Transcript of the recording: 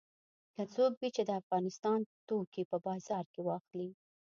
که څوک وي چې د افغانستان توکي په بازار کې واخلي.